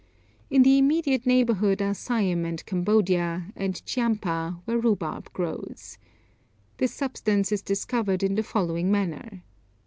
In the immediate neighbourhood are Siam and Cambodia, and Tchiampa, where rhubarb grows. This substance is discovered in the following manner.